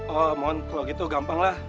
oh mohon kalau gitu gampang lah